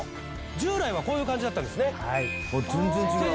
従来はこういう感じだったんですね。